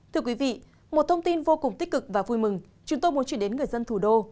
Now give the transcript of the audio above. thưa quý vị một thông tin vô cùng tích cực và vui mừng chúng tôi muốn chuyển đến người dân thủ đô